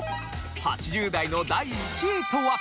８０代の第１位とは？